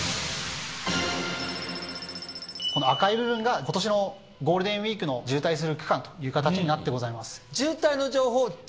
赤い部分が今年のゴールデンウイーク渋滞する区間という形になってます。